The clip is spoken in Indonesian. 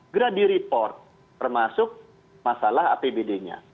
gerak di report termasuk masalah apbd nya